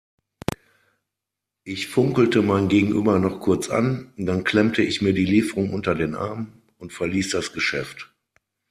Ich funkelte mein Gegenüber noch kurz an, dann klemmte ich mir die Lieferung unter den Arm und verließ das Geschäft.